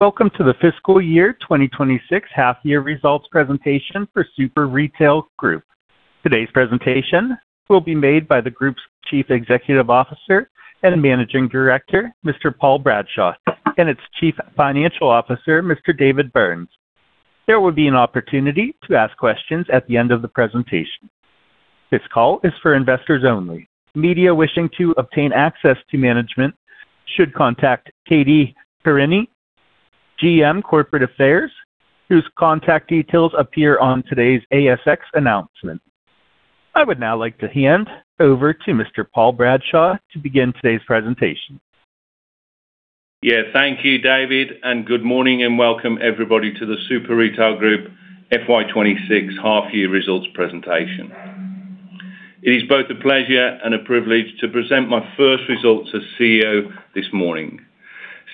Welcome to the fiscal year 2026 half year results presentation for Super Retail Group. Today's presentation will be made by the group's Chief Executive Officer and Managing Director, Mr. Paul Bradshaw, and its Chief Financial Officer, Mr. David Burns. There will be an opportunity to ask questions at the end of the presentation. This call is for investors only. Media wishing to obtain access to management should contact Katie Perini, GM Corporate Affairs, whose contact details appear on today's ASX announcement. I would now like to hand over to Mr. Paul Bradshaw to begin today's presentation. Thank you, David, good morning and welcome everybody to the Super Retail Group FY 26 half year results presentation. It is both a pleasure and a privilege to present my first results as CEO this morning.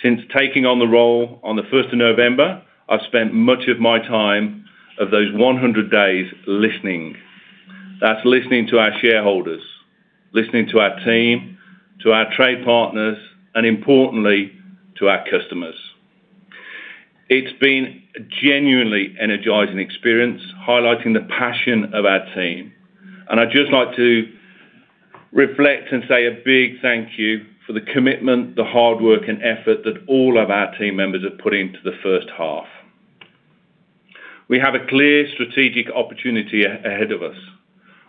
Since taking on the role on the 1st of November, I've spent much of my time of those 100 days listening. That's listening to our shareholders, listening to our team, to our trade partners, and importantly, to our customers. It's been a genuinely energizing experience, highlighting the passion of our team, and I'd just like to reflect and say a big thank you for the commitment, the hard work, and effort that all of our team members have put into the first half. We have a clear strategic opportunity ahead of us.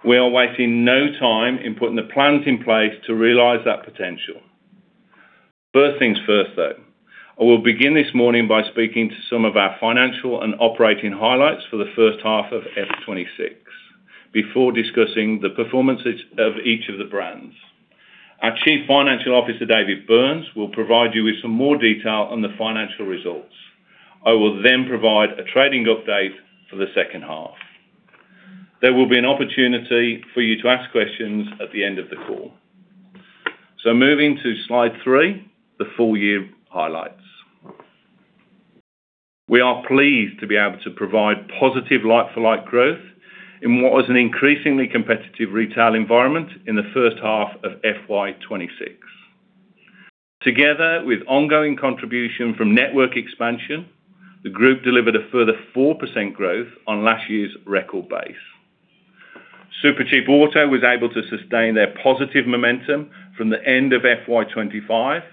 We are wasting no time in putting the plans in place to realize that potential. First things first, though, I will begin this morning by speaking to some of our financial and operating highlights for the first half of FY 2026, before discussing the performances of each of the brands. Our Chief Financial Officer, David Burns, will provide you with some more detail on the financial results. I will provide a trading update for the second half. There will be an opportunity for you to ask questions at the end of the call. Moving to slide three, the full year highlights. We are pleased to be able to provide positive like-for-like growth in what was an increasingly competitive retail environment in the first half of FY 2026. Together, with ongoing contribution from network expansion, the group delivered a further 4% growth on last year's record base. Supercheap Auto was able to sustain their positive momentum from the end of FY 2025.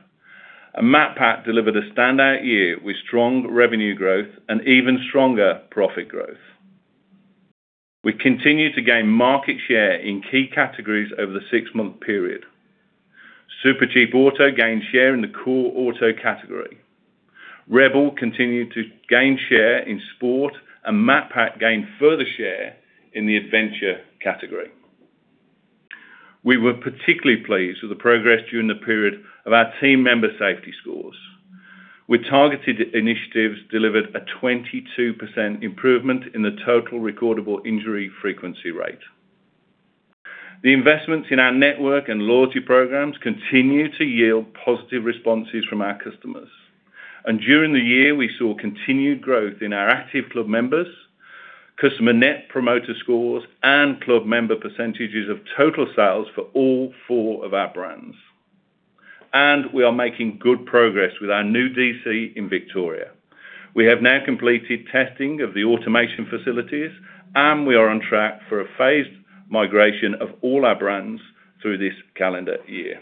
Macpac delivered a standout year with strong revenue growth and even stronger profit growth. We continued to gain market share in key categories over the six-month period. Supercheap Auto gained share in the core auto category. Rebel continued to gain share in sport. Macpac gained further share in the adventure category. We were particularly pleased with the progress during the period of our team member safety scores, with targeted initiatives delivered a 22% improvement in the Total Recordable Injury Frequency Rate. The investments in our network and loyalty programs continue to yield positive responses from our customers. During the year, we saw continued growth in our active club members, customer Net Promoter Scores, and club member percentages of total sales for all four of our brands. We are making good progress with our new DC in Victoria. We have now completed testing of the automation facilities, and we are on track for a phased migration of all our brands through this calendar year.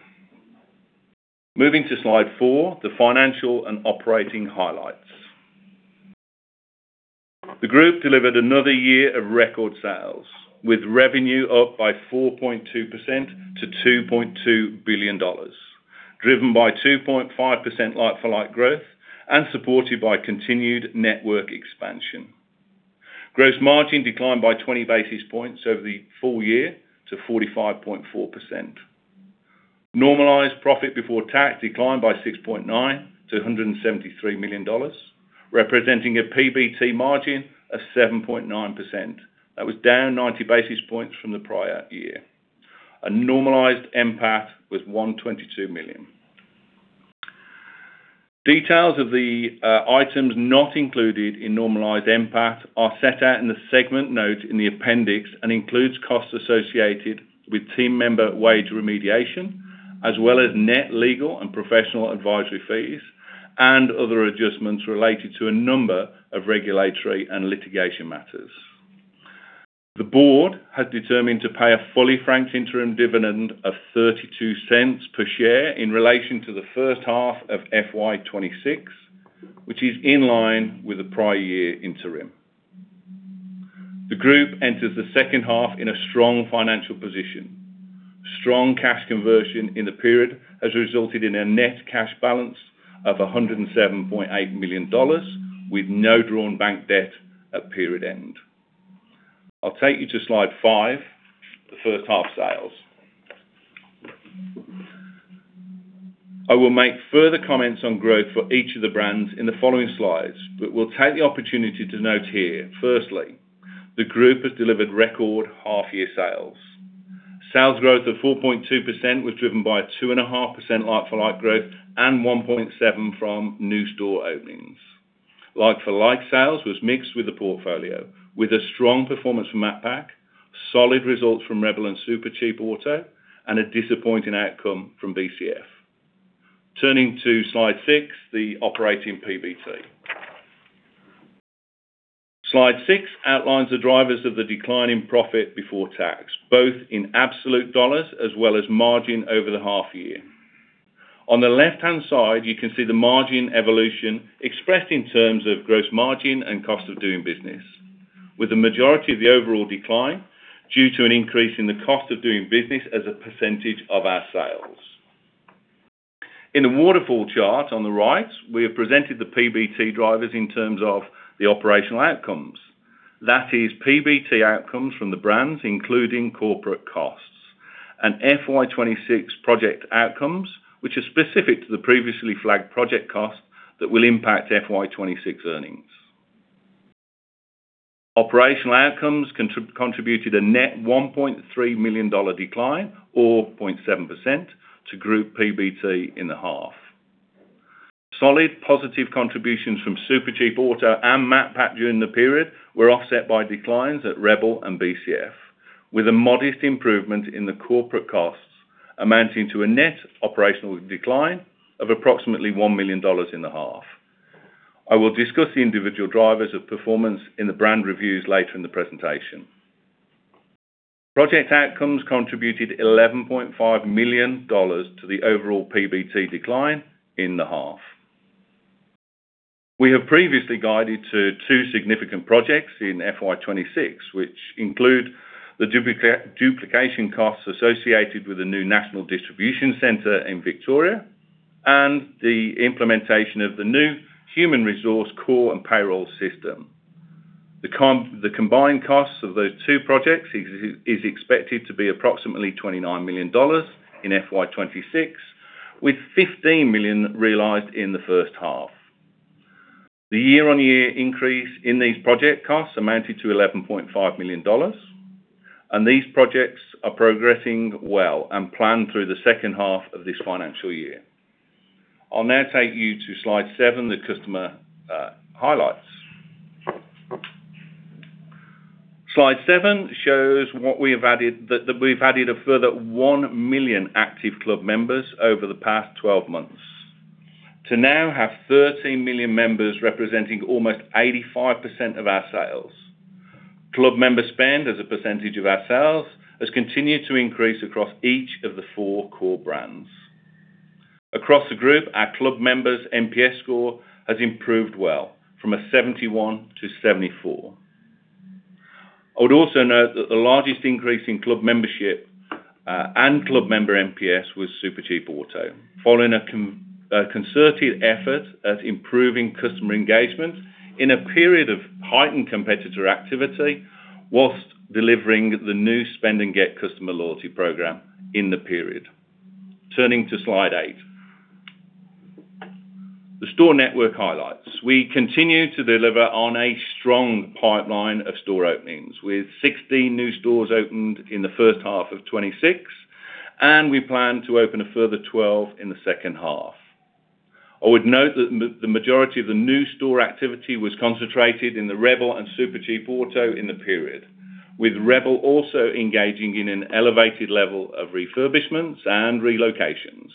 Moving to slide four, the financial and operating highlights. The group delivered another year of record sales, with revenue up by 4.2% to 2.2 billion dollars, driven by 2.5% like-for-like growth and supported by continued network expansion. Gross margin declined by 20 basis points over the full year to 45.4%. Normalized profit before tax declined by 6.9% to 173 million dollars, representing a PBT margin of 7.9%. That was down 90 basis points from the prior year. A normalized MPAT was AUD 122 million. Details of the items not included in normalized MPAT are set out in the segment notes in the appendix and includes costs associated with team member wage remediation, as well as net legal and professional advisory fees, and other adjustments related to a number of regulatory and litigation matters. The board has determined to pay a fully franked interim dividend of 0.32 per share in relation to the first half of FY26, which is in line with the prior year interim. The group enters the second half in a strong financial position. Strong cash conversion in the period has resulted in a net cash balance of 107.8 million dollars, with no drawn bank debt at period end. I'll take you to slide five, the first half sales. I will make further comments on growth for each of the brands in the following slides, we'll take the opportunity to note here. Firstly, the group has delivered record half-year sales. Sales growth of 4.2% was driven by a 2.5% like-for-like growth and 1.7% from new store openings. Like-for-like sales was mixed with the portfolio, with a strong performance from Macpac. Solid results from rebel and Supercheap Auto, a disappointing outcome from BCF. Turning to Slide six, the operating PBT. Slide six outlines the drivers of the decline in profit before tax, both in absolute dollars as well as margin over the half year. On the left-hand side, you can see the margin evolution expressed in terms of gross margin and cost of doing business, with the majority of the overall decline due to an increase in the cost of doing business as a percentage of our sales. In the waterfall chart on the right, we have presented the PBT drivers in terms of the operational outcomes. That is, PBT outcomes from the brands, including corporate costs and FY 2026 project outcomes, which are specific to the previously flagged project cost that will impact FY 2026 earnings. Operational outcomes contributed a net $1.3 million decline, or 0.7%, to group PBT in the half. Solid, positive contributions from Supercheap Auto and Macpac during the period were offset by declines at rebel and BCF, with a modest improvement in the corporate costs, amounting to a net operational decline of approximately 1 million dollars in the half. I will discuss the individual drivers of performance in the brand reviews later in the presentation. Project outcomes contributed 11.5 million dollars to the overall PBT decline in the half. We have previously guided to two significant projects in FY 2026, which include the duplication costs associated with the new national distribution center in Victoria, and the implementation of the new human resource core and payroll system. The combined costs of those two projects is expected to be approximately 29 million dollars in FY 2026, with 15 million realized in the first half. The year-on-year increase in these project costs amounted to $11.5 million, and these projects are progressing well and planned through the second half of this financial year. I'll now take you to Slide seven, the customer highlights. Slide seven shows what we have added... That we've added a further 1 million active club members over the past 12 months, to now have 13 million members, representing almost 85% of our sales. Club member spend, as a percentage of our sales, has continued to increase across each of the four core brands. Across the group, our club members' NPS score has improved well, from a 71 to 74. I would also note that the largest increase in club membership, and club member NPS was Supercheap Auto, following a concerted effort at improving customer engagement in a period of heightened competitor activity, whilst delivering the new Spend & Get customer loyalty program in the period. Turning to Slide eight. The store network highlights. We continue to deliver on a strong pipeline of store openings, with 16 new stores opened in the first half of 2026, and we plan to open a further 12 in the second half. I would note that the majority of the new store activity was concentrated in the rebel and Supercheap Auto in the period, with rebel also engaging in an elevated level of refurbishments and relocations.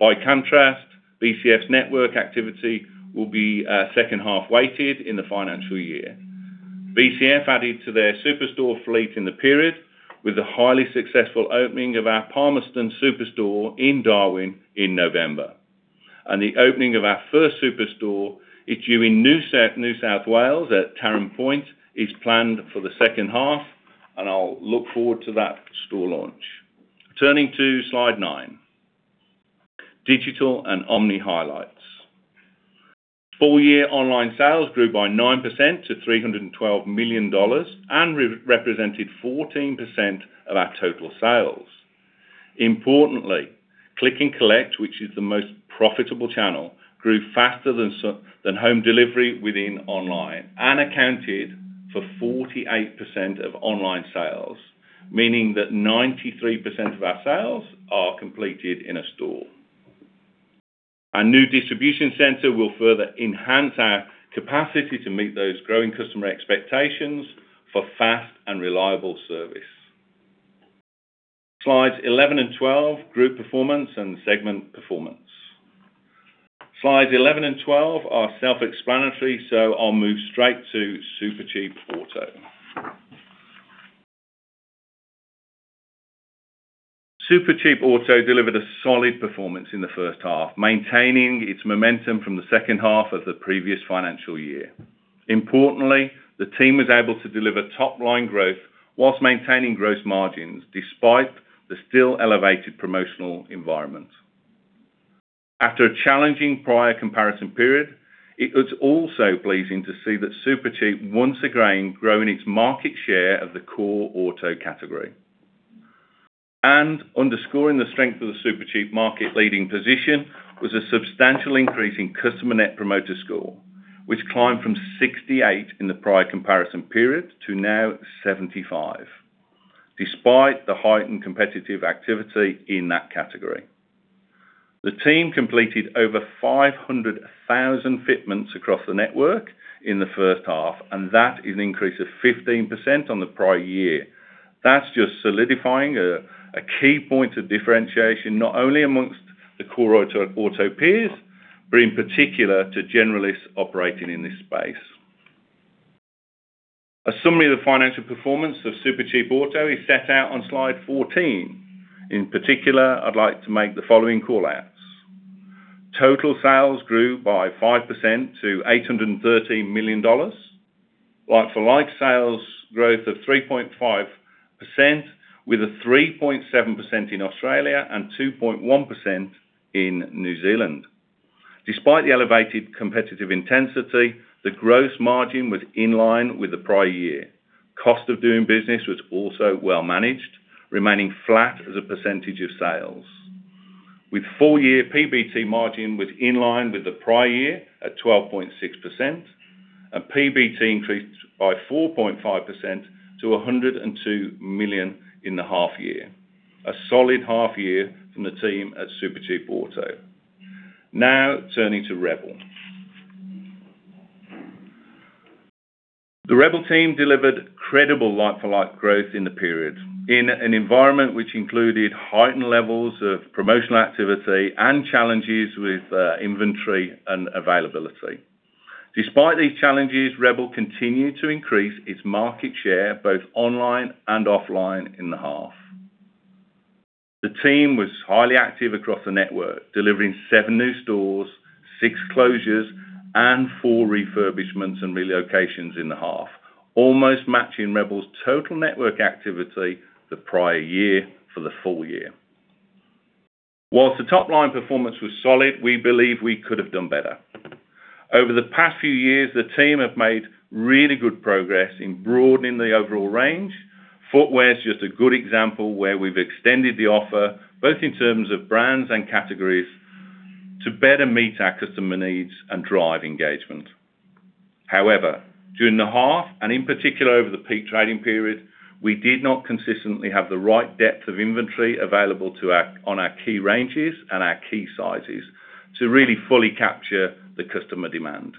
By contrast, BCF's network activity will be second half weighted in the financial year. BCF added to their superstore fleet in the period with the highly successful opening of our Palmerston Superstore in Darwin in November. The opening of our first superstore issued in New South Wales at Taren Point is planned for the second half. I'll look forward to that store launch. Turning to Slide nine, digital and omni highlights. Full year online sales grew by 9% to 312 million dollars and represented 14% of our total sales. Importantly, Click & Collect, which is the most profitable channel, grew faster than home delivery within online and accounted for 48% of online sales, meaning that 93% of our sales are completed in a store. Our new distribution center will further enhance our capacity to meet those growing customer expectations for fast and reliable service. Slides 11 and 12, group performance and segment performance. Slides 11 and 12 are self-explanatory, so I'll move straight to Supercheap Auto. Supercheap Auto delivered a solid performance in the first half, maintaining its momentum from the second half of the previous financial year. Importantly, the team was able to deliver top-line growth whilst maintaining gross margins, despite the still elevated promotional environment. After a challenging prior comparison period, it was also pleasing to see that Supercheap once again growing its market share of the core auto category. Underscoring the strength of the Supercheap market leading position, was a substantial increase in customer Net Promoter Score, which climbed from 68 in the prior comparison period to now 75, despite the heightened competitive activity in that category. The team completed over 500,000 fitments across the network in the first half. That is an increase of 15% on the prior year. That's just solidifying a key point of differentiation, not only amongst the core auto peers, but in particular, to generalists operating in this space. A summary of the financial performance of Supercheap Auto is set out on slide 14. In particular, I'd like to make the following call-outs: Total sales grew by 5% to 813 million dollars. Like-for-like sales growth of 3.5%, with 3.7% in Australia and 2.1% in New Zealand. Despite the elevated competitive intensity, the gross margin was in line with the prior year. Cost of doing business was also well managed, remaining flat as a percentage of sales. With full-year PBT margin was in line with the prior year at 12.6%. PBT increased by 4.5% to 102 million in the half year. A solid half year from the team at Supercheap Auto. Now, turning to rebel. The rebel team delivered credible like-for-like growth in the period, in an environment which included heightened levels of promotional activity and challenges with inventory and availability. Despite these challenges, rebel continued to increase its market share, both online and offline, in the half. The team was highly active across the network, delivering seven new stores, six closures, and four refurbishments and relocations in the half, almost matching rebel's total network activity the prior year for the full year. While the top-line performance was solid, we believe we could have done better. Over the past few years, the team have made really good progress in broadening the overall range. Footwear is just a good example where we've extended the offer, both in terms of brands and categories, to better meet our customer needs and drive engagement. During the half, and in particular over the peak trading period, we did not consistently have the right depth of inventory available on our key ranges and our key sizes to really fully capture the customer demand.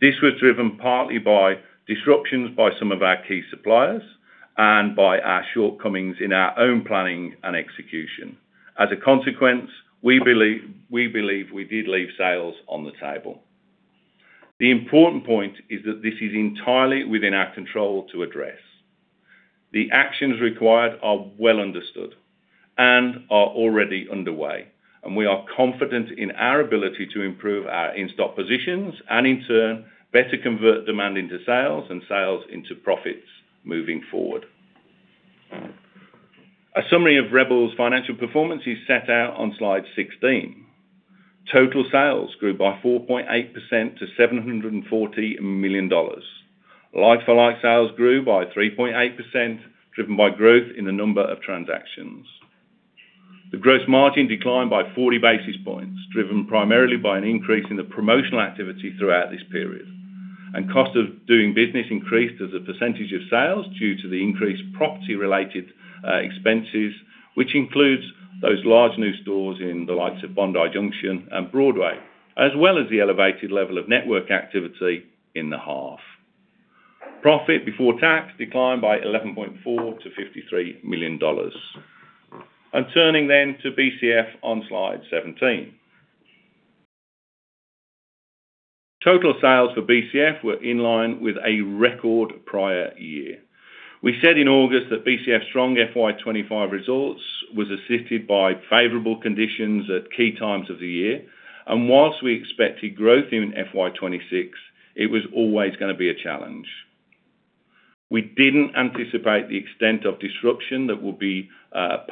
This was driven partly by disruptions by some of our key suppliers and by our shortcomings in our own planning and execution. As a consequence, we believe we did leave sales on the table. The important point is that this is entirely within our control to address. The actions required are well understood and are already underway, we are confident in our ability to improve our in-stock positions, and in turn, better convert demand into sales and sales into profits moving forward. A summary of rebel's financial performance is set out on slide 16. Total sales grew by 4.8% to 740 million dollars. Like-for-like sales grew by 3.8%, driven by growth in the number of transactions. The gross margin declined by 40 basis points, driven primarily by an increase in the promotional activity throughout this period, cost of doing business increased as a percentage of sales due to the increased property-related expenses, which includes those large new stores in the likes of Bondi Junction and Broadway, as well as the elevated level of network activity in the half. Profit before tax declined by 11.4 to $53 million. Turning to BCF on slide 17. Total sales for BCF were in line with a record prior year. We said in August that BCF's strong FY 2025 results was assisted by favorable conditions at key times of the year, whilst we expected growth in FY 2026, it was always gonna be a challenge. We didn't anticipate the extent of disruption that would be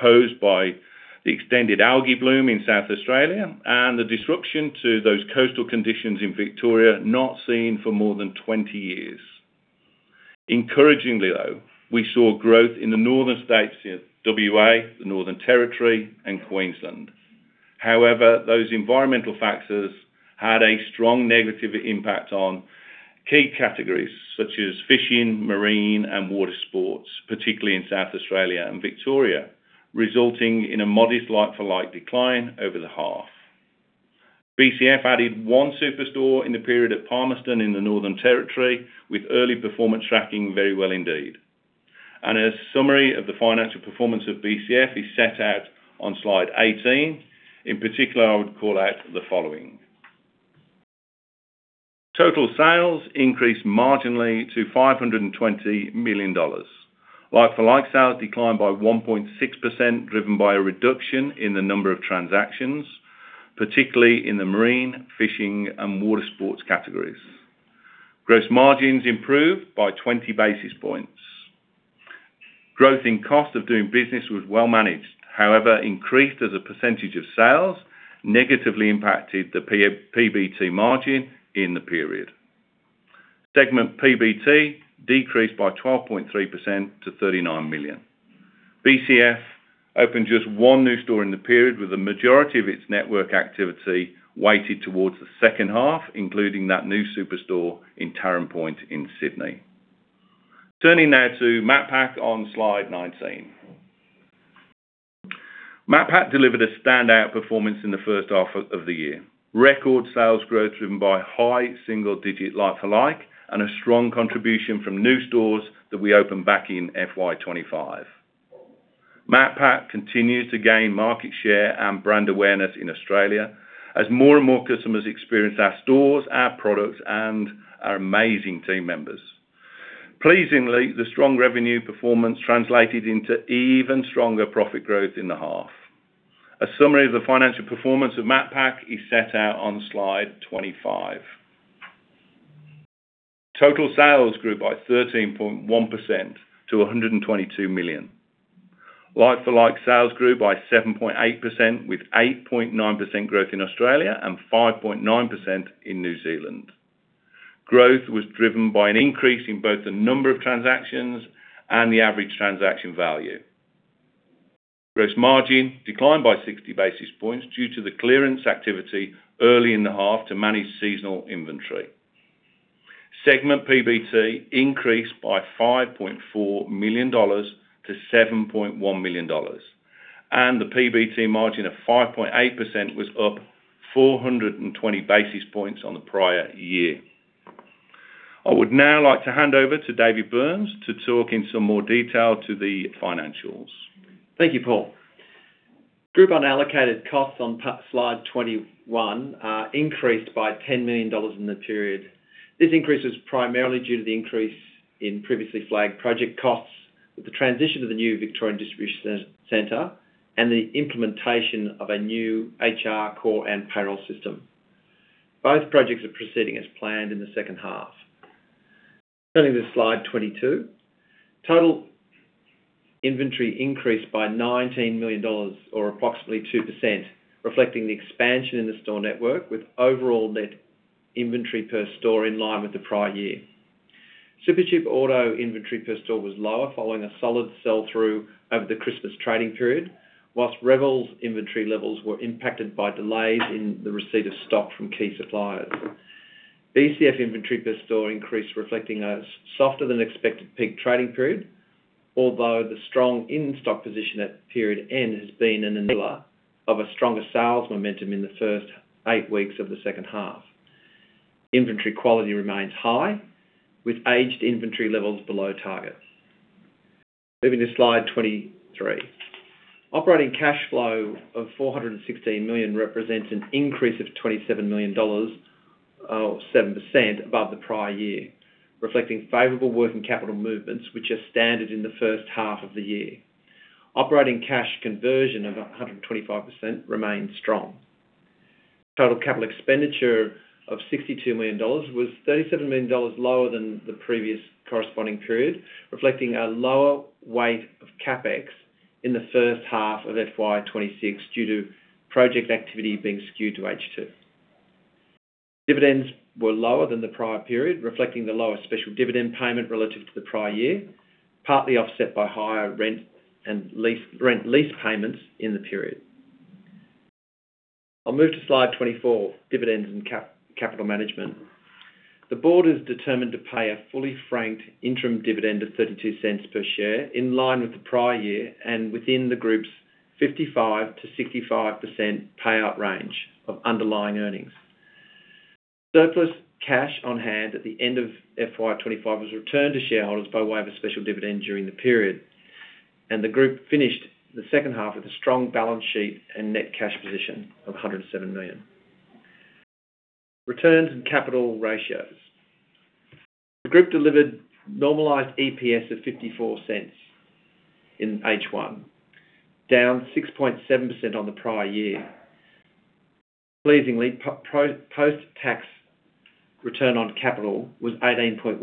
posed by the extended algae bloom in South Australia and the disruption to those coastal conditions in Victoria, not seen for more than 20 years. Encouragingly, though, we saw growth in the northern states, here, WA, the Northern Territory, and Queensland. However, those environmental factors had a strong negative impact on key categories such as fishing, marine, and water sports, particularly in South Australia and Victoria, resulting in a modest like-for-like decline over the half. BCF added 1 super store in the period of Palmerston in the Northern Territory, with early performance tracking very well indeed. A summary of the financial performance of BCF is set out on slide 18. In particular, I would call out the following: Total sales increased marginally to 520 million dollars. Like-for-like sales declined by 1.6%, driven by a reduction in the number of transactions, particularly in the marine, fishing, and water sports categories. Gross margins improved by 20 basis points. Growth in cost of doing business was well managed, however, increased as a % of sales, negatively impacted the PBT margin in the period. Segment PBT decreased by 12.3% to 39 million. BCF opened just one new store in the period, with the majority of its network activity weighted towards the second half, including that new super store in Taren Point in Sydney. Turning now to Macpac on slide 19. Macpac delivered a standout performance in the first half of the year. Record sales growth, driven by high single-digit like-for-like, and a strong contribution from new stores that we opened back in FY 2025. Macpac continues to gain market share and brand awareness in Australia as more and more customers experience our stores, our products, and our amazing team members. Pleasingly, the strong revenue performance translated into even stronger profit growth in the half. A summary of the financial performance of Macpac is set out on slide 25. Total sales grew by 13.1% to 122 million. Like-for-like sales grew by 7.8%, with 8.9% growth in Australia and 5.9% in New Zealand. Growth was driven by an increase in both the number of transactions and the average transaction value. Gross margin declined by 60 basis points due to the clearance activity early in the half to manage seasonal inventory. Segment PBT increased by 5.4 million dollars to 7.1 million dollars, and the PBT margin of 5.8% was up 420 basis points on the prior year. I would now like to hand over to David Burns to talk in some more detail to the financials. Thank you, Paul. Group unallocated costs on slide 21 increased by $10 million in the period. This increase is primarily due to the increase in previously flagged project costs, with the transition to the new Victorian Distribution Center and the implementation of a new HR core and payroll system. Both projects are proceeding as planned in the second half. Turning to slide 22. Total inventory increased by $19 million or approximately 2%, reflecting the expansion in the store network, with overall net inventory per store in line with the prior year. Supercheap Auto inventory per store was lower, following a solid sell-through over the Christmas trading period, whilst rebel's inventory levels were impacted by delays in the receipt of stock from key suppliers. BCF inventory per store increased, reflecting a softer than expected peak trading period, although the strong in-stock position at period end has been an enabler of a stronger sales momentum in the first eight weeks of the second half. Inventory quality remains high, with aged inventory levels below target. Moving to slide 23. Operating cash flow of 416 million represents an increase of 27 million dollars or 7% above the prior year, reflecting favorable working capital movements, which are standard in the first half of the year. Operating cash conversion of 125% remains strong. Total capital expenditure of 62 million dollars was 37 million dollars lower than the previous corresponding period, reflecting a lower weight of CapEx in the first half of FY 2026 due to project activity being skewed to H2. Dividends were lower than the prior period, reflecting the lower special dividend payment relative to the prior year, partly offset by higher rent lease payments in the period. I'll move to slide 24, Dividends and capital management. The board is determined to pay a fully franked interim dividend of 0.32 per share, in line with the prior year and within the group's 55%-65% payout range of underlying earnings. Surplus cash on hand at the end of FY 2025 was returned to shareholders by way of a special dividend during the period, and the group finished the second half with a strong balance sheet and net cash position of 107 million. Returns and capital ratios. The group delivered normalized EPS of 0.54 in H1, down 6.7% on the prior year. Pleasingly, post-tax return on capital was 18.1%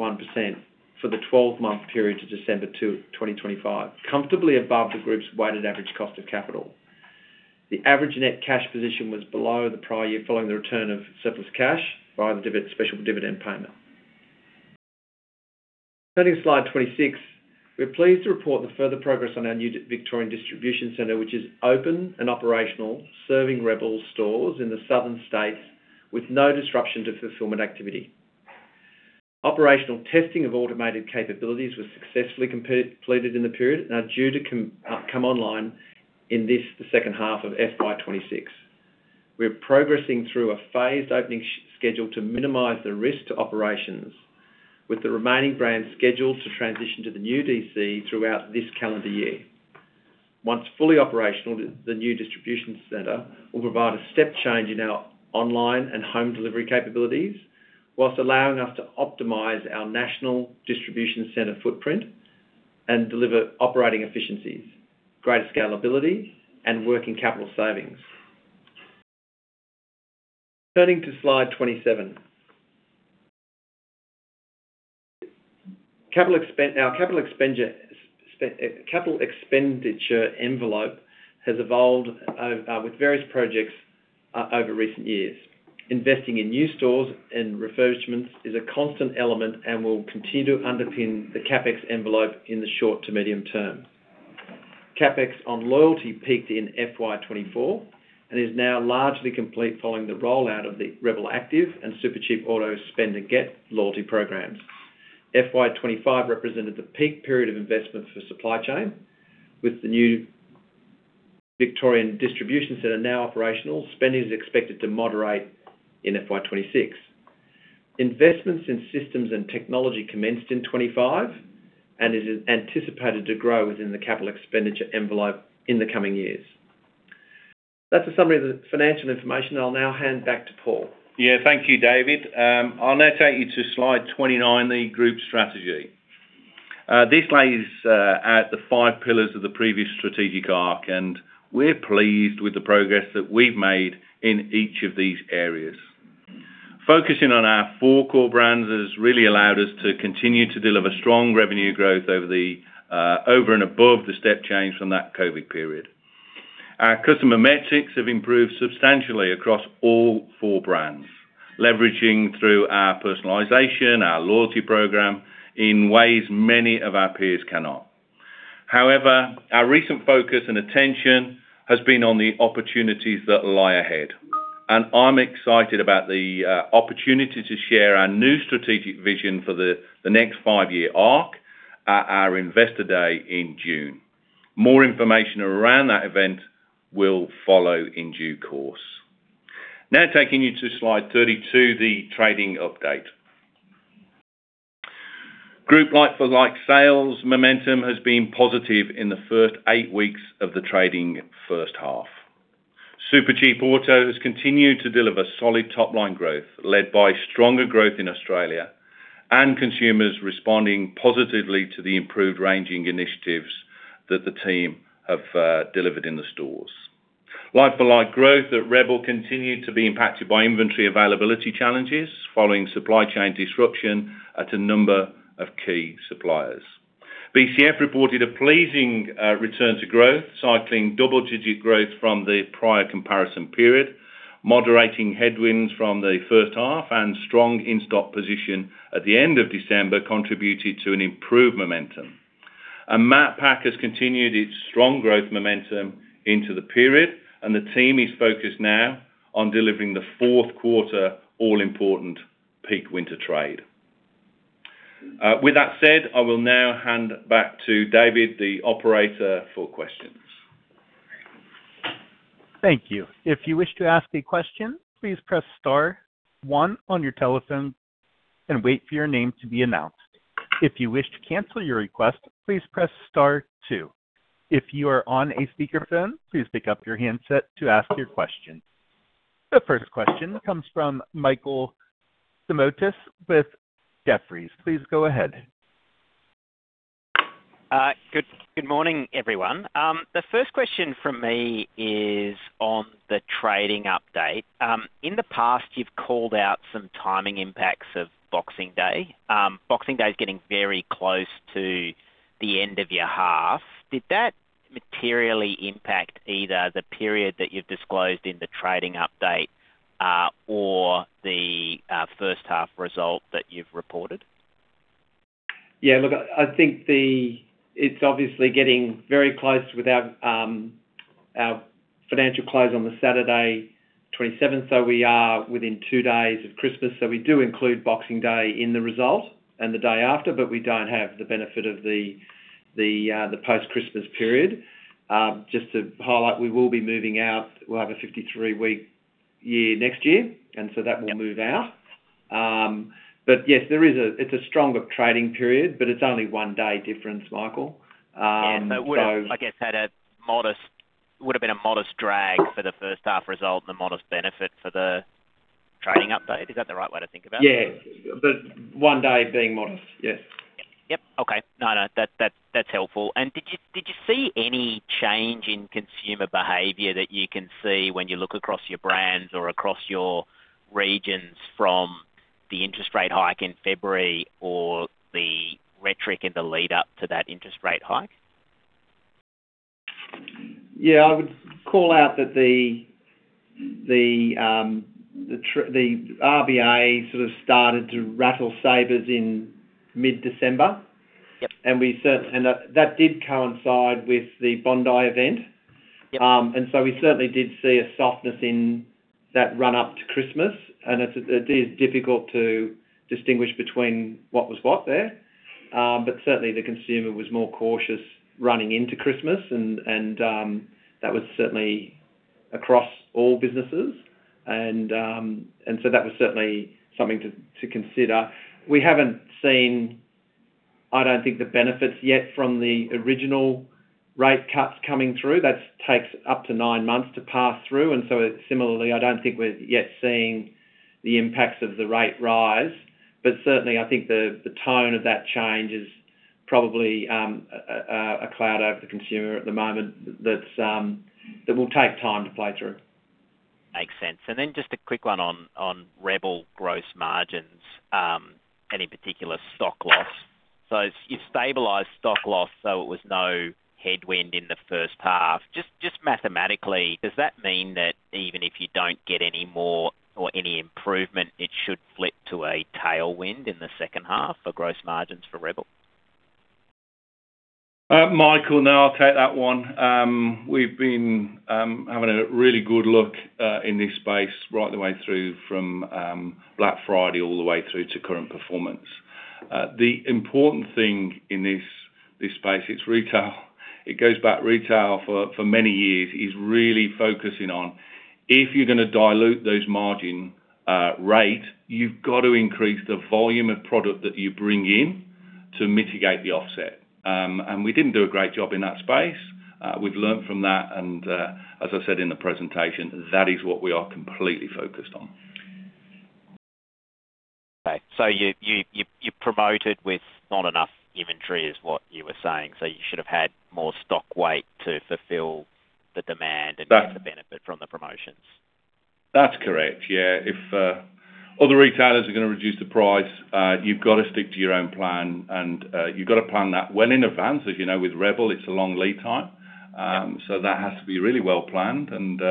for the 12-month period to December 2, 2025, comfortably above the group's weighted average cost of capital. The average net cash position was below the prior year, following the return of surplus cash by the special dividend payment. Turning to slide 26, we're pleased to report the further progress on our new Victorian distribution center, which is open and operational, serving rebel stores in the southern states with no disruption to fulfillment activity. Operational testing of automated capabilities was successfully completed in the period and are due to come online in this, the second half of FY26. We're progressing through a phased opening schedule to minimize the risk to operations, with the remaining brands scheduled to transition to the new DC throughout this calendar year. Once fully operational, the new distribution center will provide a step change in our online and home delivery capabilities, whilst allowing us to optimize our national distribution center footprint and deliver operating efficiencies, greater scalability, and working capital savings. Turning to slide 27. Capital expenditure envelope has evolved with various projects over recent years. Investing in new stores and refurbishments is a constant element and will continue to underpin the CapEx envelope in the short to medium term. CapEx on loyalty peaked in FY 2024, is now largely complete following the rollout of the rebel Active and Supercheap Auto Spend & Get loyalty programs. FY 2025 represented the peak period of investment for supply chain, with the new Victorian distribution center now operational, spending is expected to moderate in FY 2026. Investments in systems and technology commenced in 2025, and is anticipated to grow within the capital expenditure envelope in the coming years. That's a summary of the financial information. I'll now hand back to Paul. Yeah, thank you, David. I'll now take you to slide 29, the group strategy. This lays out the five pillars of the previous strategic arc, and we're pleased with the progress that we've made in each of these areas. Focusing on our four core brands has really allowed us to continue to deliver strong revenue growth over and above the step change from that COVID period. Our customer metrics have improved substantially across all four brands, leveraging through our personalization, our loyalty program, in ways many of our peers cannot. However, our recent focus and attention has been on the opportunities that lie ahead, and I'm excited about the opportunity to share our new strategic vision for the next five-year arc at our Investor Day in June. More information around that event will follow in due course. Taking you to slide 32, the trading update. Group like-for-like sales momentum has been positive in the first eight weeks of the trading first half. Supercheap Auto has continued to deliver solid top-line growth, led by stronger growth in Australia, and consumers responding positively to the improved ranging initiatives that the team have delivered in the stores. Like-for-like growth at rebel continued to be impacted by inventory availability challenges, following supply chain disruption at a number of key suppliers. BCF reported a pleasing return to growth, cycling double-digit growth from the prior comparison period. Moderating headwinds from the first half, and strong in-stock position at the end of December contributed to an improved momentum. Macpac has continued its strong growth momentum into the period, and the team is focused now on delivering the fourth quarter, all-important peak winter trade. With that said, I will now hand back to David, the operator, for questions. Thank you. If you wish to ask a question, please press star one on your telephone and wait for your name to be announced. If you wish to cancel your request, please press star two. If you are on a speakerphone, please pick up your handset to ask your question. The first question comes from Michael Simotas with Jefferies. Please go ahead. Good morning, everyone. The first question from me is on the trading update. In the past, you've called out some timing impacts of Boxing Day. Boxing Day is getting very close to the end of your half. Did that materially impact either the period that you've disclosed in the trading update, or the first half result that you've reported? Look, I think it's obviously getting very close with our financial close on the Saturday, 27th. We are within two days of Christmas. We do include Boxing Day in the result and the day after, but we don't have the benefit of the post-Christmas period. Just to highlight, we will be moving out. We'll have a 53-week year next year. That will move out. Yes, it's a stronger trading period, but it's only one day difference, Michael. Yeah, would have, I guess, would have been a modest drag for the first half result and a modest benefit for the trading update. Is that the right way to think about it? Yeah, one day being modest. Yes. Yep. Okay. No, no, that's helpful. Did you see any change in consumer behavior that you can see when you look across your brands or across your regions from the interest rate hike in February or the rhetoric in the lead up to that interest rate hike? Yeah, I would call out that the RBA sort of started to rattle sabers in mid-December. Yep. that did coincide with the Bondi event. Yep. We certainly did see a softness in that run up to Christmas, and it's, it is difficult to distinguish between what was what there. Certainly the consumer was more cautious running into Christmas, and that was certainly across all businesses. That was certainly something to consider. We haven't seen, I don't think, the benefits yet from the original rate cuts coming through. That takes up to nine months to pass through. Similarly, I don't think we're yet seeing the impacts of the rate rise. Certainly, I think the tone of that change is probably a cloud over the consumer at the moment that's that will take time to play through. Makes sense. Then just a quick one on rebel gross margins, and in particular, stock loss. You've stabilized stock loss, so it was no headwind in the first half. Mathematically, does that mean that even if you don't get any more or any improvement, it should flip to a tailwind in the second half for gross margins for rebel? that one. We've been having a really good look in this space right the way through from Black Friday, all the way through to current performance. The important thing in this space, it's retail. It goes back retail for many years, is really focusing on if you're going to dilute those margin rate, you've got to increase the volume of product that you bring in to mitigate the offset. We didn't do a great job in that space. We've learned from that and, as I said in the presentation, that is what we are completely focused on. Okay. you promoted with not enough inventory, is what you were saying. you should have had more stock weight to fulfill the demand- That- Get the benefit from the promotions? That's correct. Yeah, if other retailers are gonna reduce the price, you've got to stick to your own plan, and you've got to plan that well in advance. As you know, with rebel, it's a long lead time. Yep. That has to be really well planned, and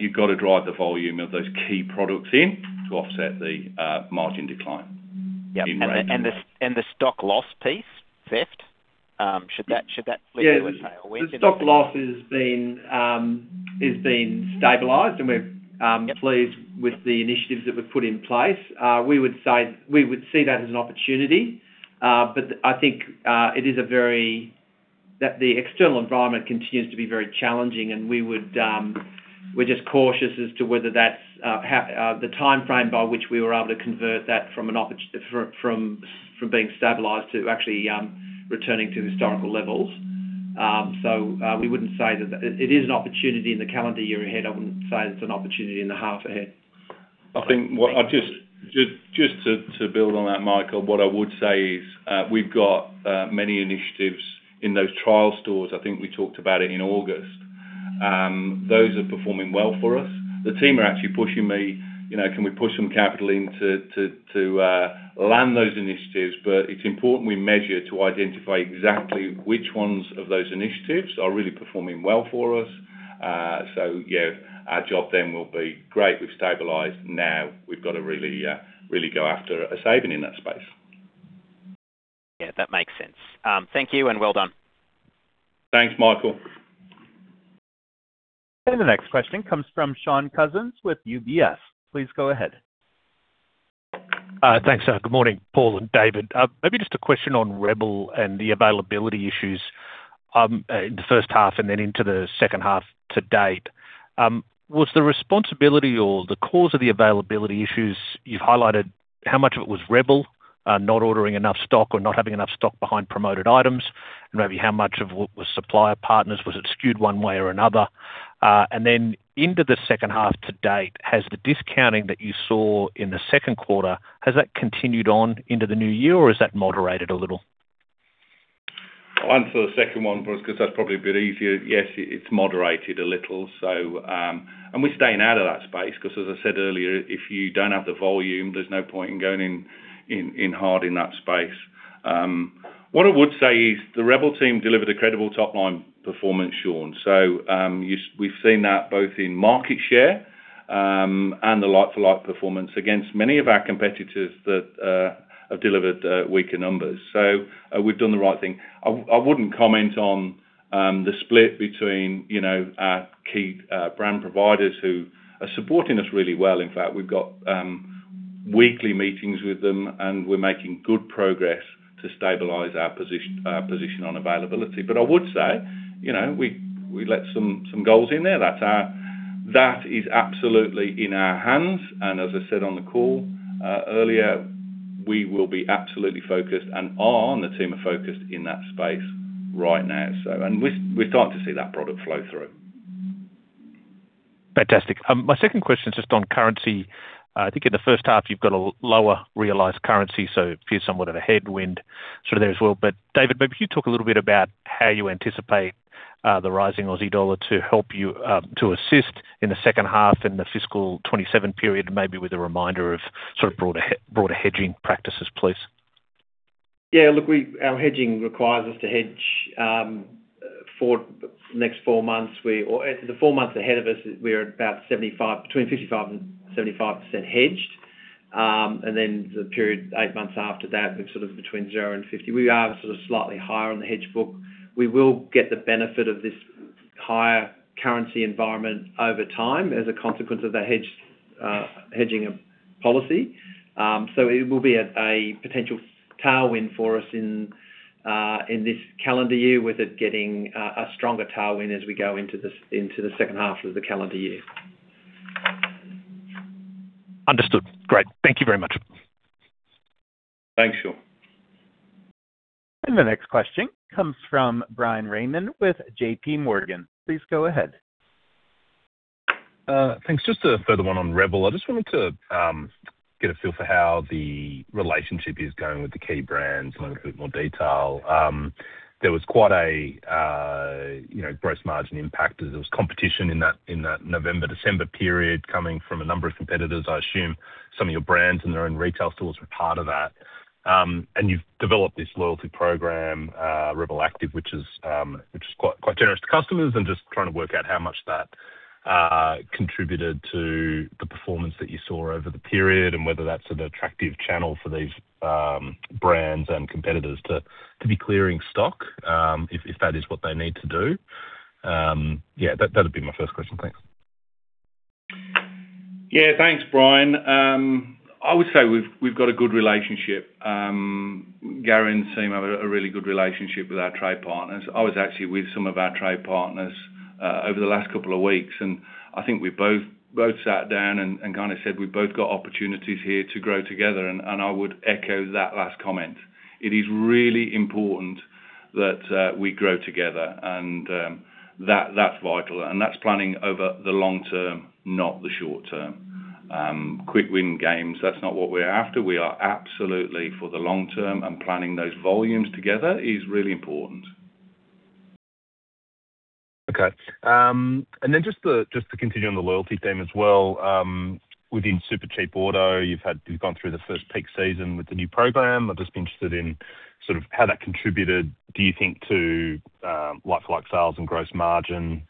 you've got to drive the volume of those key products in to offset the margin decline. Yeah in margin. The stock loss piece, theft, should that flip to a tailwind? Yeah. The stock loss has been stabilized, and we're, Yep Pleased with the initiatives that we've put in place. We would see that as an opportunity, but I think it is a very, that the external environment continues to be very challenging and we would, we're just cautious as to whether that's the timeframe by which we were able to convert that from being stabilized to actually returning to historical levels. We wouldn't say that it is an opportunity in the calendar year ahead. I wouldn't say it's an opportunity in the half ahead. I think what I just to build on that, Michael, what I would say is, we've got many initiatives in those trial stores. I think we talked about it in August. Those are performing well for us. The team are actually pushing me, you know, can we push some capital into to land those initiatives? It's important we measure to identify exactly which ones of those initiatives are really performing well for us. Yeah, our job then will be great, we've stabilized. Now, we've got to really go after a saving in that space. Yeah, that makes sense. Thank you and well done. Thanks, Michael. The next question comes from Shaun Cousins with UBS. Please go ahead. Thanks, good morning, Paul and David. Maybe just a question on rebel and the availability issues in the first half and then into the second half to date. Was the responsibility or the cause of the availability issues, you've highlighted how much of it was rebel, not ordering enough stock or not having enough stock behind promoted items, and maybe how much of it was supplier partners? Was it skewed one way or another? Into the second half to date, has the discounting that you saw in the second quarter, has that continued on into the new year, or is that moderated a little? I'll answer the second one first, 'cause that's probably a bit easier. Yes, it's moderated a little. And we're staying out of that space, 'cause as I said earlier, if you don't have the volume, there's no point in going in hard in that space. What I would say is, the rebel team delivered a credible top-line performance, Shaun. We've seen that both in market share, and the like-for-like performance against many of our competitors that have delivered weaker numbers. We've done the right thing. I wouldn't comment on the split between, you know, our key brand providers who are supporting us really well. In fact, we've got weekly meetings with them, and we're making good progress to stabilize our position on availability. I would say, you know, we let some goals in there that is absolutely in our hands, and as I said on the call earlier, we will be absolutely focused and the team are focused in that space right now. We're starting to see that product flow through. Fantastic. My second question is just on currency. I think in the first half, you've got a lower realized currency, so it feels somewhat of a headwind sort of there as well. David, maybe you could talk a little bit about how you anticipate the rising Aussie dollar to help you to assist in the second half and the fiscal 2027 period, maybe with a reminder of sort of broader hedging practices, please. Yeah, look, our hedging requires us to hedge for the next four months. We, or the four months ahead of us, between 55% and 75% hedged. The period eight months after that, we're sort of between 0% and 50%. We are sort of slightly higher on the hedge book. We will get the benefit of this higher currency environment over time as a consequence of the hedged hedging of policy. It will be a potential tailwind for us in this calendar year, with it getting a stronger tailwind as we go into the second half of the calendar year. Understood. Great. Thank you very much. Thanks, Shaun. The next question comes from Bryan Raymond with JPMorgan. Please go ahead. Thanks. Just a further one on rebel. I just wanted to get a feel for how the relationship is going with the key brands in a little bit more detail. There was quite a, you know, gross margin impact as there was competition in that, in that November, December period coming from a number of competitors. I assume some of your brands and their own retail stores were part of that. You've developed this loyalty program, rebel Active, which is quite generous to customers, and just trying to work out how much that contributed to the performance that you saw over the period, and whether that's an attractive channel for these brands and competitors to be clearing stock, if that is what they need to do. That'd be my first question. Thanks. Yeah, thanks, Bryan. I would say we've got a good relationship. Gary and team have a really good relationship with our trade partners. I was actually with some of our trade partners over the last couple of weeks, and I think we both sat down and kinda said we've both got opportunities here to grow together, and I would echo that last comment. It is really important that we grow together, and that's vital. That's planning over the long term, not the short term. Quick win games, that's not what we're after. We are absolutely for the long term. Planning those volumes together is really important. Okay. Then just to, just to continue on the loyalty theme as well, within Supercheap Auto, you've gone through the first peak season with the new program. I'm just interested in sort of how that contributed, do you think, to like-for-like sales and gross margin,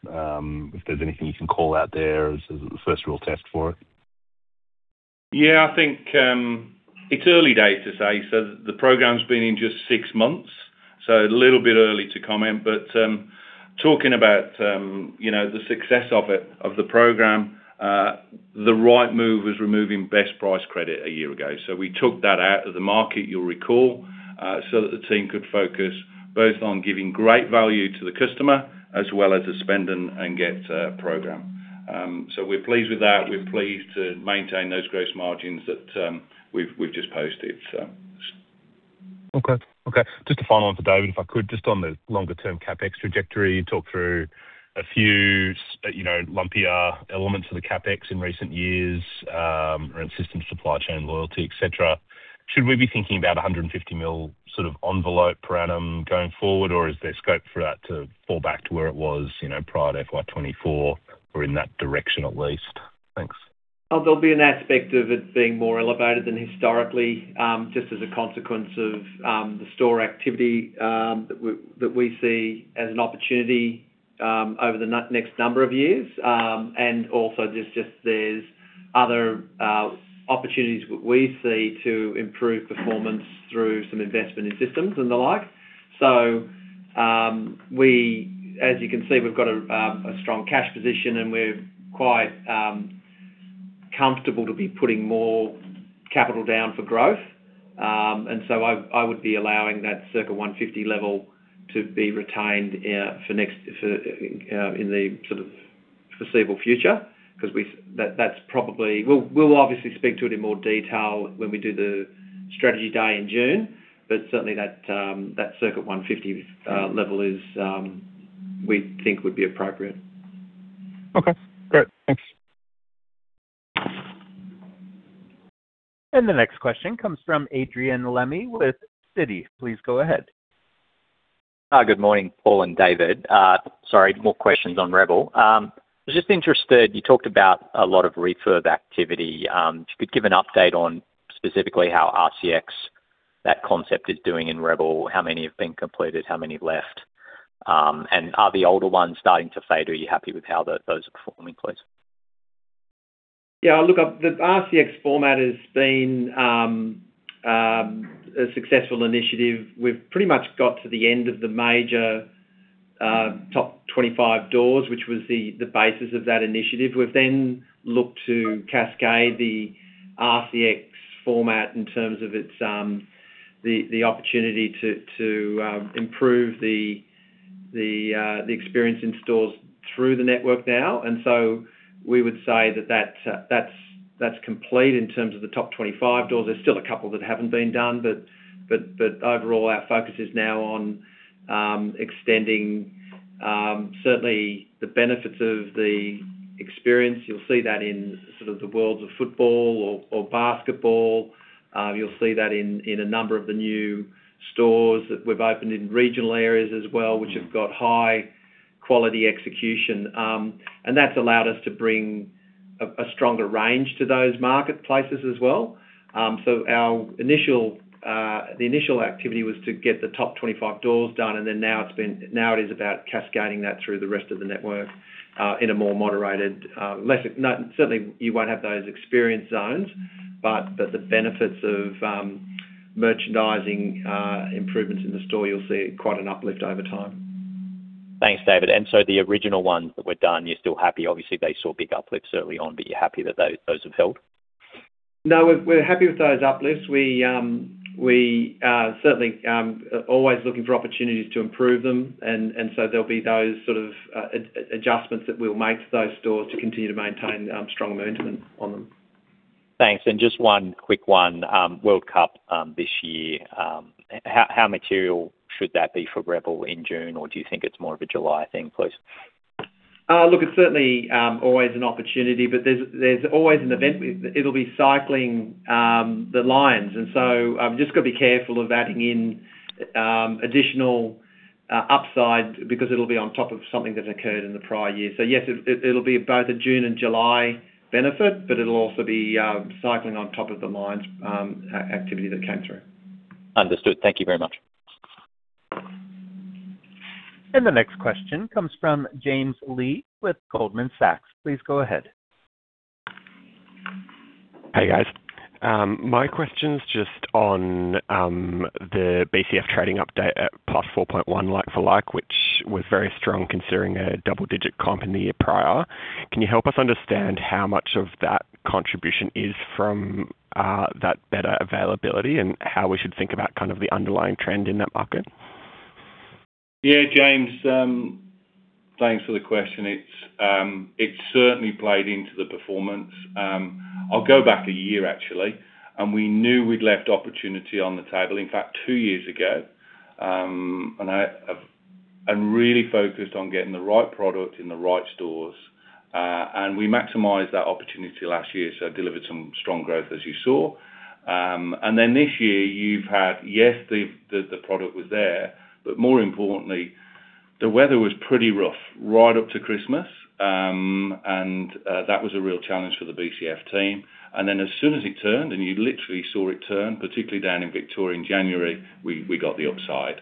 if there's anything you can call out there as the first real test for it? Yeah, I think, it's early days to say. The program's been in just six months, a little bit early to comment, but talking about, you know, the success of it, of the program, the right move was removing Best Price Credit one year ago. We took that out of the market, you'll recall, so that the team could focus both on giving great value to the customer as well as the Spend & Get program. We're pleased with that. We're pleased to maintain those gross margins that we've just posted. Okay, just a final one for David, if I could. Just on the longer term CapEx trajectory, talk through a few, you know, lumpier elements of the CapEx in recent years around systems, supply chain, loyalty, et cetera. Should we be thinking about a $150 million sort of envelope per annum going forward, or is there scope for that to fall back to where it was, you know, prior to FY 2024, or in that direction at least? Thanks. There'll be an aspect of it being more elevated than historically, just as a consequence of the store activity that we see as an opportunity over the next number of years. There's just, there's other opportunities that we see to improve performance through some investment in systems and the like. As you can see, we've got a strong cash position, and we're quite comfortable to be putting more capital down for growth. I would be allowing that circa 150 level to be retained for next, in the sort of foreseeable future, 'cause we've that's probably... We'll obviously speak to it in more detail when we do the strategy day in June, certainly that circa 150 level is we think would be appropriate. Okay, great. Thanks. The next question comes from Adrian Lemme with Citi. Please go ahead. Good morning, Paul and David. Sorry, more questions on rebel. I was just interested, you talked about a lot of refurb activity. If you could give an update on specifically how RCX, that concept, is doing in rebel, how many have been completed, how many left? Are the older ones starting to fade, or are you happy with how those are performing, please? Yeah, look, the RCX format has been a successful initiative. We've pretty much got to the end of the major top 25 doors, which was the basis of that initiative. We've then looked to cascade the RCX format in terms of its the opportunity to improve the experience in stores through the network now. We would say that that's complete in terms of the top 25 doors. There's still a couple that haven't been done, but overall, our focus is now on extending certainly the benefits of the experience. You'll see that in sort of the worlds of football or basketball. You'll see that in a number of the new stores that we've opened in regional areas as well, which have got high-quality execution. That's allowed us to bring a stronger range to those marketplaces as well. Our initial activity was to get the top 25 doors done. Now it is about cascading that through the rest of the network in a more moderated, less, certainly, you won't have those experience zones, but the benefits of merchandising improvements in the store, you'll see quite an uplift over time. Thanks, David. The original ones that were done, you're still happy. Obviously, they saw a big uplift, certainly on, but you're happy that those have held? No, we're happy with those uplifts. We are certainly always looking for opportunities to improve them. There'll be those sort of adjustments that we'll make to those stores to continue to maintain strong momentum on them. Thanks. Just one quick one, World Cup, this year. How material should that be for rebel in June, or do you think it's more of a July thing, please? Look, it's certainly always an opportunity, but there's always an event. It'll be cycling, the Lions. I've just got to be careful of adding in upside, because it'll be on top of something that occurred in the prior year. Yes, it'll be both a June and July benefit, but it'll also be cycling on top of the Games activity that came through. Understood. Thank you very much. The next question comes from James Leigh with Goldman Sachs. Please go ahead. Hey, guys. My question's just on the BCF trading update at +4.1% like-for-like, which was very strong considering a double-digit comp in the year prior. Can you help us understand how much of that contribution is from that better availability? How we should think about kind of the underlying trend in that market? Yeah, James, thanks for the question. It's, it certainly played into the performance. I'll go back a year, actually, we knew we'd left opportunity on the table, in fact, two years ago. I really focused on getting the right product in the right stores, and we maximized that opportunity last year, so delivered some strong growth, as you saw. This year you've had, yes, the product was there, but more importantly, the weather was pretty rough right up to Christmas, and that was a real challenge for the BCF team. As soon as it turned, and you literally saw it turn, particularly down in Victoria in January, we got the upside.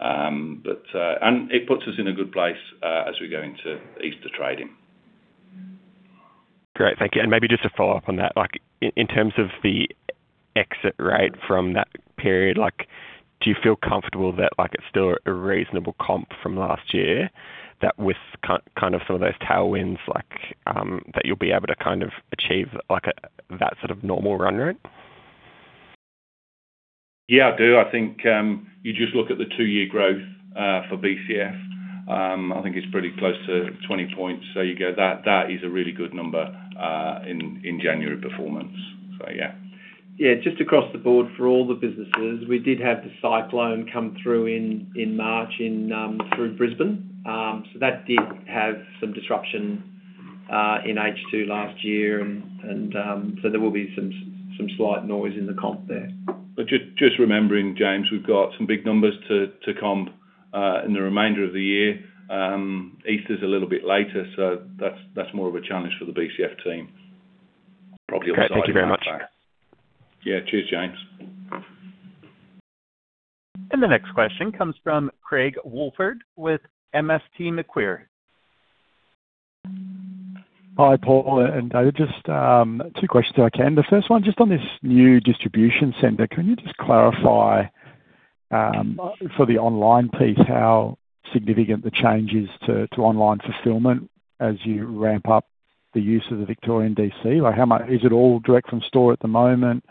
It puts us in a good place as we go into Easter trading. Great, thank you. Maybe just to follow up on that, like, in terms of the exit rate from that period, like, do you feel comfortable that, like, it's still a reasonable comp from last year? That with kind of some of those tailwinds like, that you'll be able to kind of achieve like, that sort of normal run rate? I do. I think, you just look at the two-year growth for BCF. I think it's pretty close to 20 points, you go that is a really good number in January performance. Yeah. Just across the board for all the businesses, we did have the cyclone come through in March in through Brisbane. That did have some disruption in H2 last year, and there will be some slight noise in the comp there. Just remembering, James, we've got some big numbers to comp in the remainder of the year. Easter's a little bit later, so that's more of a challenge for the BCF team. Okay. Thank you very much. Yeah. Cheers, James. The next question comes from Craig Woolford with MST Marquee. Hi, Paul and David. Just two questions, if I can. The first one, just on this new distribution center, can you just clarify for the online piece, how significant the change is to online fulfillment as you ramp up the use of the Victorian DC? Like, Is it all direct from store at the moment?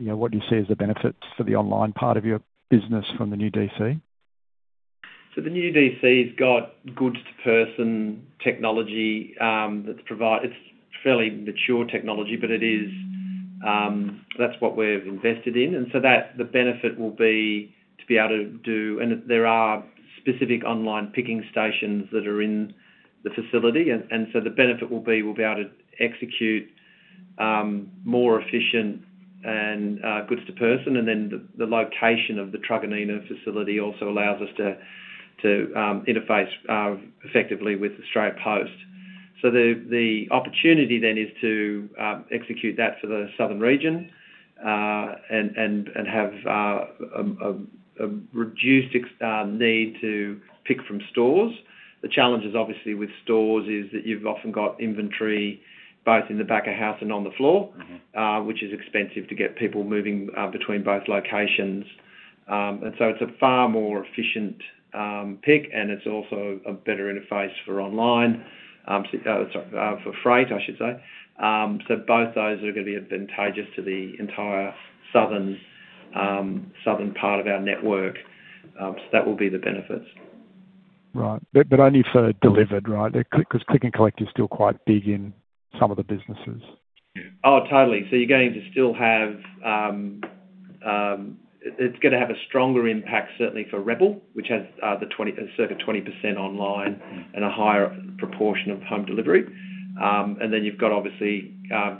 You know, what do you see as the benefits for the online part of your business from the new DC? The new DC's got goods-to-person technology. It's fairly mature technology, but it is, that's what we've invested in. The benefit will be to be able to do... There are specific online picking stations that are in the facility. The benefit will be, we'll be able to execute more efficient and goods-to-person, then the location of the Truganina facility also allows us to interface effectively with Australia Post. The opportunity then is to execute that for the southern region and have reduced need to pick from stores. The challenge is obviously with stores, is that you've often got inventory both in the back of house and on the floor. Mm-hmm. Which is expensive to get people moving between both locations. It's a far more efficient pick, and it's also a better interface for online, sorry, for freight, I should say. Both those are going to be advantageous to the entire southern part of our network. That will be the benefits. Right. Only for delivered, right? Because Click & Collect is still quite big in some of the businesses. Oh, totally. It's gonna have a stronger impact, certainly for rebel, which has the 20, circa 20% online- Mm-hmm. A higher proportion of home delivery. You've got obviously,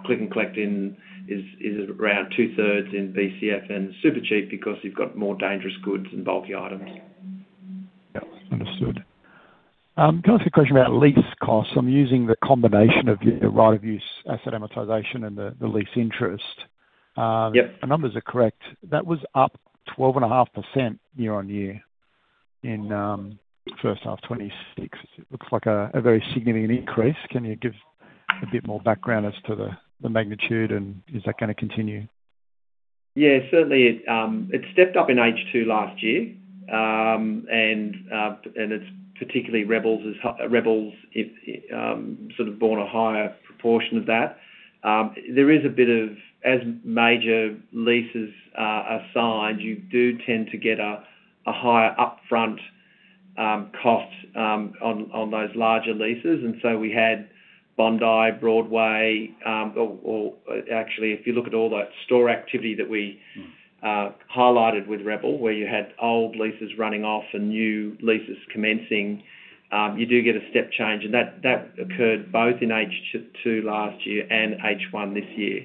Click & Collect in, is around two-thirds in BCF and Supercheap, because you've got more dangerous goods and bulky items. Yeah. Understood. Can I ask you a question about lease costs? I'm using the combination of the right-of-use, asset amortization, and the lease interest. Yep. The numbers are correct. That was up 12.5% year-on-year in first half 2026. It looks like a very significant increase. Can you give a bit more background as to the magnitude, and is that going to continue? Yeah, certainly it stepped up in H2 last year. It's particularly rebel, as rebel, it sort of borne a higher proportion of that. There is a bit of, as major leases are signed, you do tend to get a higher upfront cost on those larger leases. We had Bondi, Broadway, or actually, if you look at all that store activity. Mm highlighted with rebel, where you had old leases running off and new leases commencing, you do get a step change, and that occurred both in H2 last year and H1 this year.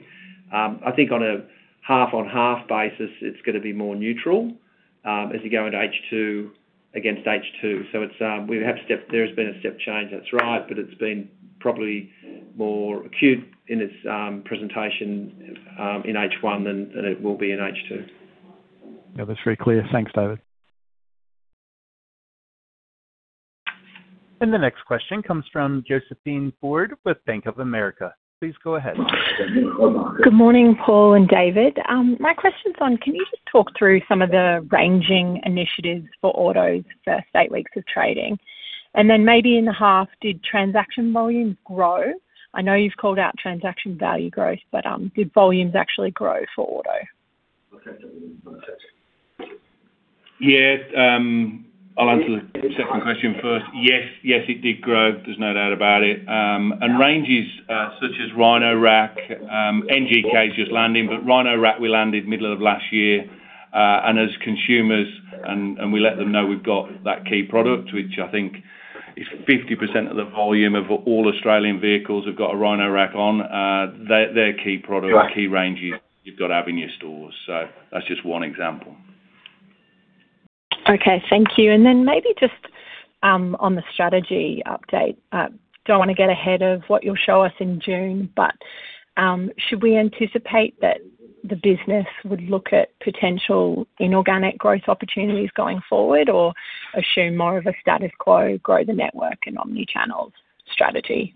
I think on a half-on-half basis, it's gonna be more neutral as you go into H2 against H2. It's, There's been a step change, that's right, but it's been probably more acute in its presentation in H1 than it will be in H2. Yeah, that's very clear. Thanks, David. The next question comes from Josephine Forde with Bank of America. Please go ahead. Good morning, Paul and David. My question is on, can you just talk through some of the ranging initiatives for Auto's first eight weeks of trading? Maybe in the half, did transaction volumes grow? I know you've called out transaction value growth, did volumes actually grow for Auto? Yes. I'll answer the second question first. Yes, yes, it did grow. There's no doubt about it. Ranges such as Rhino-Rack, NGK is just landing, but Rhino-Rack, we landed middle of last year. As consumers, and we let them know we've got that key product, which I think is 50% of the volume of all Australian vehicles have got a Rhino-Rack on. They're key products- Right. Key ranges you've got to have in your stores. That's just one example. Okay, thank you. Maybe just on the strategy update, don't want to get ahead of what you'll show us in June, but should we anticipate that the business would look at potential inorganic growth opportunities going forward or assume more of a status quo, grow the network and omni-channel strategy?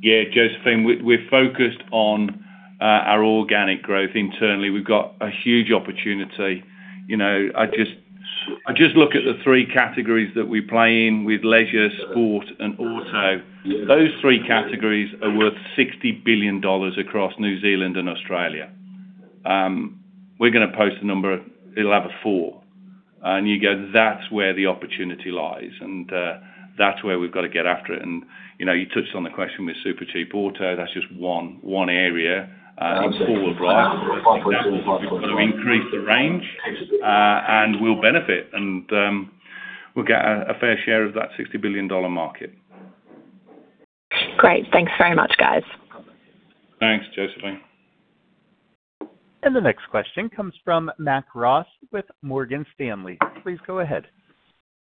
Yeah, Josephine, we're focused on our organic growth internally. We've got a huge opportunity. You know, I just look at the three categories that we play in with leisure, sport, and auto. Those three categories are worth $60 billion across New Zealand and Australia. We're gonna post a number, it'll have a four, you go, that's where the opportunity lies, that's where we've got to get after it. You know, you touched on the question with Supercheap Auto. That's just one area forward, right? Increase the range, we'll benefit, we'll get a fair share of that $60 billion market. Great. Thanks very much, guys. Thanks, Josephine. The next question comes from Melinda Baxter with Morgan Stanley. Please go ahead.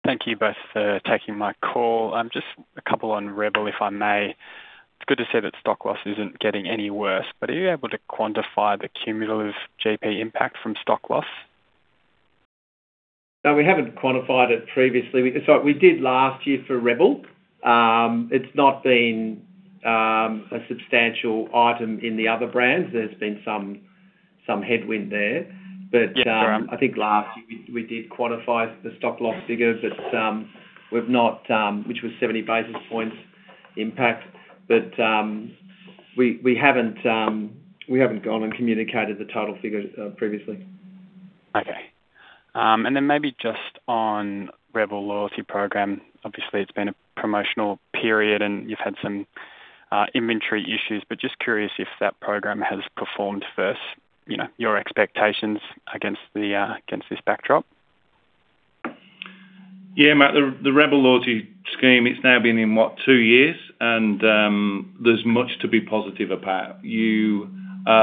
Thank you both for taking my call. Just a couple on rebel, if I may. It's good to say that stock loss isn't getting any worse. Are you able to quantify the cumulative GP impact from stock loss? No, we haven't quantified it previously. Sorry, we did last year for rebel. It's not been a substantial item in the other brands. There's been some headwind there. Yes, sure. I think last year we did quantify the stock loss figure, we've not, which was 70 basis points impact. We haven't gone and communicated the total figure previously. Okay. Maybe just on rebel loyalty program. Obviously, it's been a promotional period, and you've had some inventory issues, but just curious if that program has performed first, you know, your expectations against this backdrop? Yeah, Matt, the rebel loyalty scheme, it's now been in, what, two years? There's much to be positive about. You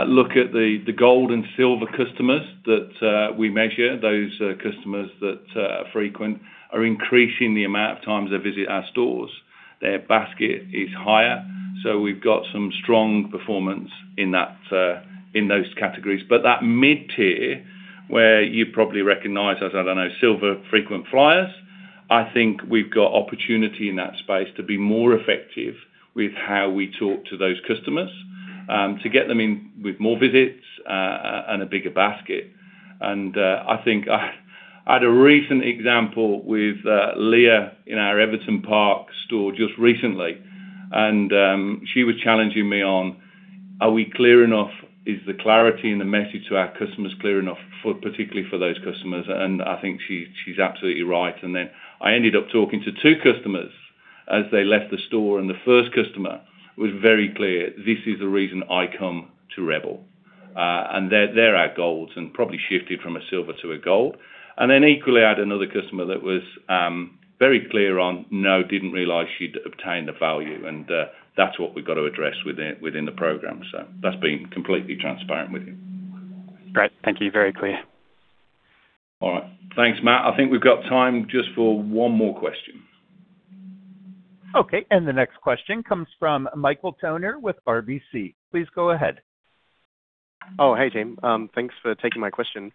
look at the gold and silver customers that we measure, those customers that frequent are increasing the amount of times they visit our stores. Their basket is higher, so we've got some strong performance in that in those categories. That mid-tier, where you probably recognize as, I don't know, silver frequent flyers, I think we've got opportunity in that space to be more effective with how we talk to those customers, to get them in with more visits, and a bigger basket. I think I had a recent example with Leah in our Everton Park store just recently, she was challenging me on, "Are we clear enough? Is the clarity and the message to our customers clear enough for, particularly for those customers?" I think she's absolutely right. I ended up talking to two customers as they left the store, and the first customer was very clear: "This is the reason I come to rebel." They're, they're our goals and probably shifted from a silver to a gold. Equally, I had another customer that was very clear on, no, didn't realize she'd obtained the value, and that's what we've got to address within the program. That's been completely transparent with you. Great. Thank you. Very clear. All right. Thanks, Melinda Baxter. I think we've got time just for one more question. Okay, the next question comes from Michael Toner with RBC. Please go ahead. Hey, team. Thanks for taking my question.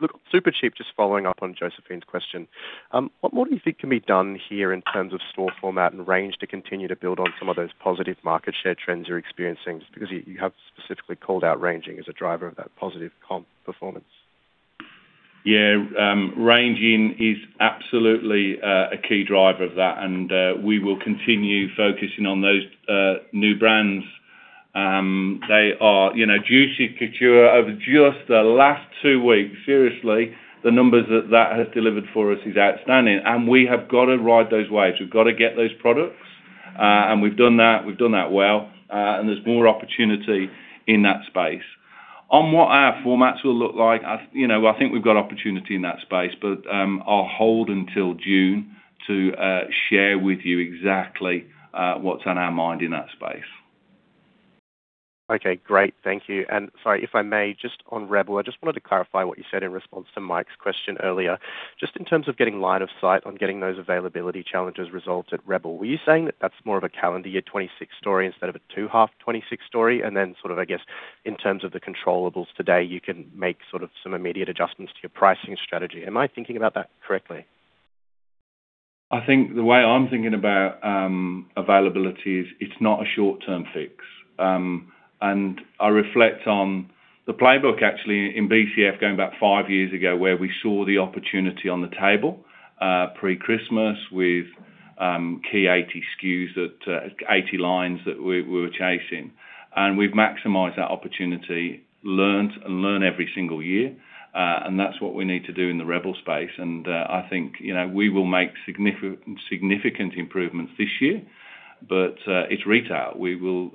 Look, Supercheap, just following up on Josephine's question. What more do you think can be done here in terms of store format and range to continue to build on some of those positive market share trends you're experiencing? You have specifically called out ranging as a driver of that positive comp performance. Yeah, ranging is absolutely a key driver of that. We will continue focusing on those new brands. They are, you know, Juicy Couture, over just the last two weeks, seriously, the numbers that that has delivered for us is outstanding, and we have got to ride those waves. We've got to get those products, and we've done that, we've done that well, and there's more opportunity in that space. On what our formats will look like, I, you know, I think we've got opportunity in that space, but I'll hold until June to share with you exactly what's on our mind in that space. Okay, great. Thank you. Sorry, if I may, just on rebel, I just wanted to clarify what you said in response to Mike's question earlier. Just in terms of getting line of sight on getting those availability challenges resolved at rebel, were you saying that that's more of a calendar year 26 story instead of a two half 26 story? Then sort of, I guess, in terms of the controllables today, you can make sort of some immediate adjustments to your pricing strategy. Am I thinking about that correctly? I think the way I'm thinking about availability is it's not a short-term fix. I reflect on the playbook actually in BCF, going back five years ago, where we saw the opportunity on the table pre-Christmas with key 80 SKUs that 80 lines that we were chasing. We've maximized that opportunity, learned, and learn every single year, that's what we need to do in the rebel space. I think, you know, we will make significant improvements this year, it's retail. We will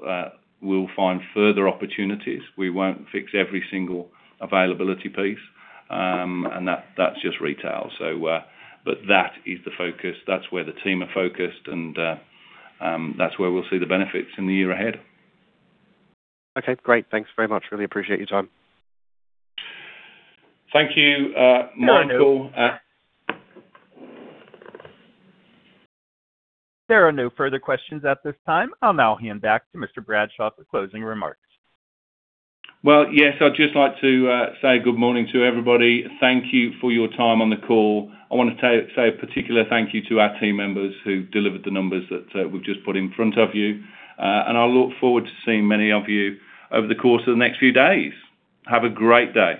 find further opportunities. We won't fix every single availability piece, that's just retail. That is the focus. That's where the team are focused, that's where we'll see the benefits in the year ahead. Okay, great. Thanks very much. Really appreciate your time. Thank you, Michael. There are no further questions at this time. I'll now hand back to Mr. Bradshaw for closing remarks. Well, yes, I'd just like to say good morning to everybody. Thank you for your time on the call. I wanna say a particular thank you to our team members who delivered the numbers that we've just put in front of you. I look forward to seeing many of you over the course of the next few days. Have a great day.